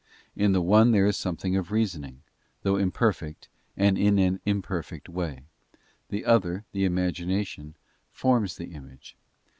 In the one there is something of reasoning, though imperfect and in an imperfect way; the other, the imagination, forms the image.